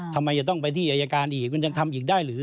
ทำไมจะต้องไปที่อายการอีกมันยังทำอีกได้หรือ